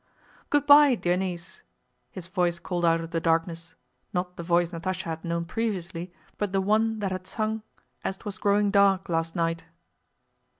"Good by, dear niece," his voice called out of the darkness—not the voice Natásha had known previously, but the one that had sung As 'twas growing dark last night.